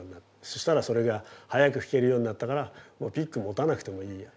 そしたらそれが速く弾けるようになったからもうピック持たなくてもいいや。